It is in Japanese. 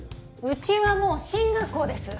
うちはもう進学校です。